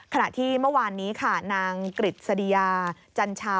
ขณะที่เมื่อวานนี้ค่ะนางกฤษฎิยาจัญชา